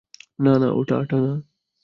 না, না, ওটা আঠা না।